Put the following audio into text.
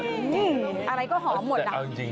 มมอะไรก็หอมหมด